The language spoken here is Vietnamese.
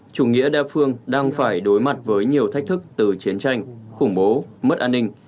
chủ nghĩa đa phương đang phải đối mặt với nhiều thách thức từ chiến tranh khủng bố mất an ninh